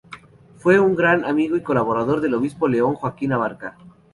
Fue gran amigo y colaborador del obispo de León Joaquín Abarca.